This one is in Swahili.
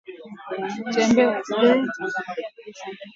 matembele yanashauriwa kupikwa kwa mda mfupi